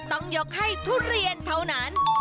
ต้องยกให้ทุเรียนเท่านั้น